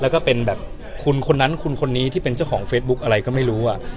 คนนั้นคนนี้ที่เป็นเจ้าของเฟซบุ๊คอะไรก็ไม่รู้